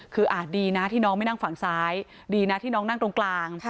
คืออาจดีนะที่น้องไม่นั่งฝั่งซ้ายดีนะที่น้องนั่งตรงกลาง